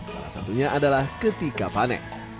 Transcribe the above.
salah satunya adalah ketika panen